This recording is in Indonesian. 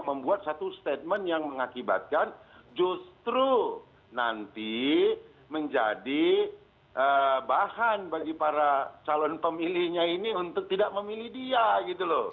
membuat satu statement yang mengakibatkan justru nanti menjadi bahan bagi para calon pemilihnya ini untuk tidak memilih dia gitu loh